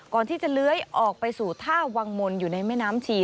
ก่อนที่จะเลื้อยออกไปสู่ท่าวังมนต์อยู่ในแม่น้ำชี